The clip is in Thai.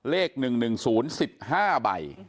เลข๑๑๐๑๕ใบ